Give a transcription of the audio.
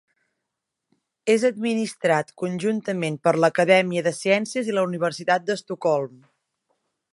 És administrat conjuntament per l'Acadèmia de Ciències i la Universitat d'Estocolm.